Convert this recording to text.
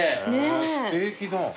ステーキ丼。